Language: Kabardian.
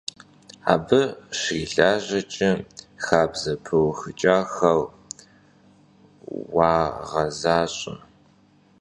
Abı şrilajeç'e, xabze pıuxıç'axer yağezaş'e.